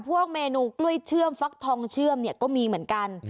พวกเมนูกล้วยเชื่อมฟักทองเชื่อมเนี่ยก็มีเหมือนกัน